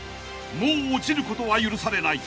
［もう落ちることは許されない］